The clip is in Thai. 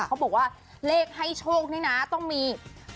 เขาบอกว่าเลขให้โชคนี่นะต้องมี